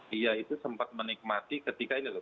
dia itu sempat menikmati ketika ini loh